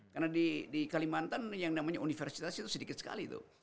karena di kalimantan yang namanya universitas itu sedikit sekali tuh